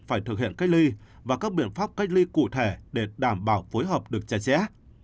phải thực hiện cách ly và các biện pháp cách ly cụ thể để đảm bảo phối hợp được chặt chẽ